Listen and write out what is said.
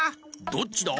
「どっちだ？」